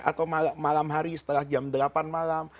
atau malam hari setelah jam delapan malam